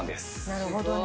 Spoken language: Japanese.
なるほどね。